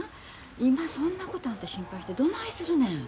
今そんなこと心配してどないするねん。